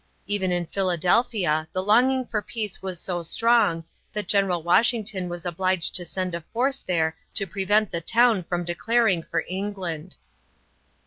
Even in Philadelphia the longing for peace was so strong that General Washington was obliged to send a force there to prevent the town from declaring for England.